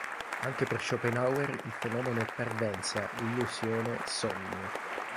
Anche per Schopenhauer il fenomeno è parvenza, illusione, sogno.